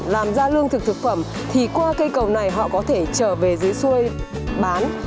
làm ra lương thực thực phẩm thì qua cây cầu này họ có thể trở về dưới xuôi bán